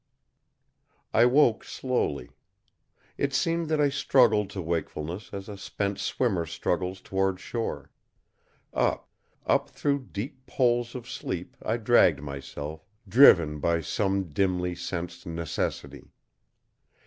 I woke slowly. It seemed that I struggled to wakefulness as a spent swimmer struggles toward shore. Up, up through deep poles of sleep I dragged myself, driven by some dimly sensed necessity.